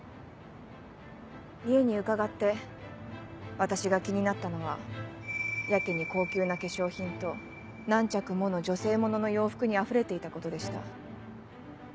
家に伺って私が気になったのはやけに高級な化粧品と何着もの女性物の洋服にあふれていたことでした。